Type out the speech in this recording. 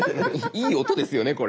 いい音ですよねこれ。